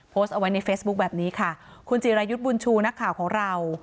โพสต์เอาไว้ในเฟซบุ๊คแบบนี้ค่ะคุณจิรายุทธ์บุญชูนักข่าวของเรา